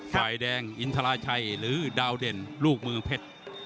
ฝ่ายแดงอินทราชัยหรือดาวเด่นลูกมือเพชร